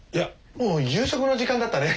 もう夕食の時間だったね。